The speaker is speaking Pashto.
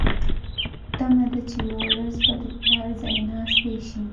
تمه ده چې یوه ورځ به د پلار ځایناستې شي.